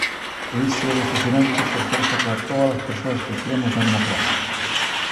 E iso é decepcionante por forza para todas as persoas que cremos na democracia.